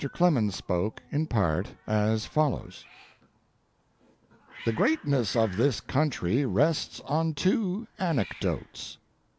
Clemens spoke, in part, as follows: The greatness of this country rests on two anecdotes.